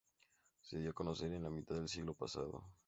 Se dio a conocer en la mitad del siglo pasado.